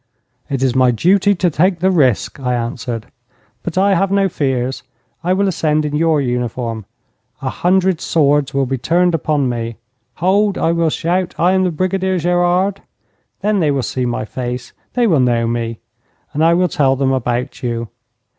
'It is my duty to take the risk,' I answered; 'but I have no fears. I will ascend in your uniform. A hundred swords will be turned upon me. "Hold!" I will shout, "I am the Brigadier Gerard!" Then they will see my face. They will know me. And I will tell them about you.